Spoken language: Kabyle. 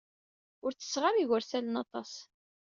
Ur ttetteɣ ara igersalen aṭas.